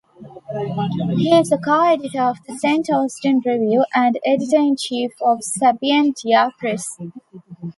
He is a co-editor of the "Saint Austin Review" and editor-in-chief of Sapientia Press.